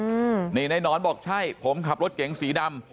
อืมนี่นายหนอนบอกใช่ผมขับรถเก๋งสีดำ